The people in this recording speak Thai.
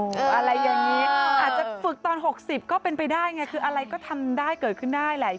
อะไรอย่างนี้อาจจะฝึกตอน๖๐ก็เป็นไปได้ไงคืออะไรก็ทำได้เกิดขึ้นได้แหละ